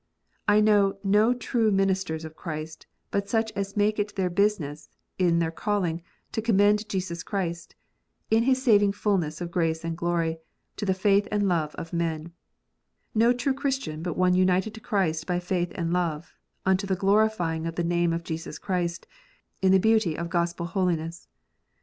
I know no true ministers of Christ but such as make it their business, in their calling, to commend Jesus Christ, in His saving fulness of grace and glory, to the faith and love of men ; no true Christian but one united to Christ by faith and love, unto the glorifying of the name of Jesus Christ, in the beauty of Gospel holiness.